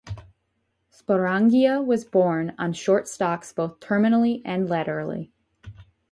Sporangia were borne on short stalks both terminally and laterally.